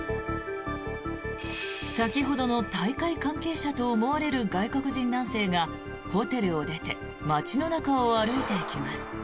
先ほどの大会関係者と思われる外国人男性がホテルを出て街の中を歩いていきます。